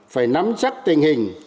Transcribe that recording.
phải nắm chắc tình hình